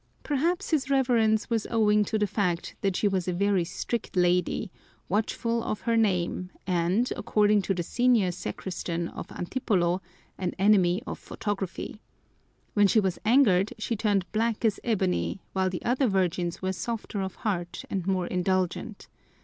Perhaps this reverence was owing to the fact that she was a very strict Lady, watchful of her name, and, according to the senior sacristan of Antipolo, an enemy of photography. When she was angered she turned black as ebony, while the other Virgins were softer of heart and more indulgent.